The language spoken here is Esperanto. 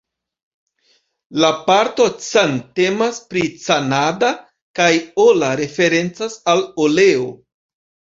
La parto "Can" temas pri Canada kaj "ola" referencas al oleo.